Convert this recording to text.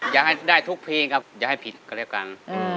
อยากให้ได้ทุกเพลงครับอย่าให้ผิดก็แล้วกัน